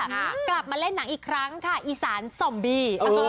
กลับมาเล่นหนังอีกครั้งค่ะอีสานซอมบี